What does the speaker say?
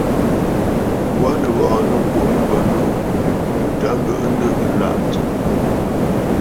Wa nìghɔ̀ɔ̀ nɨ ŋkwǒŋ bə̀ manû nɨ burə nta ŋgɨʼɨ aa nɨ̂ ɨlaʼà tsɨ̀mə̀.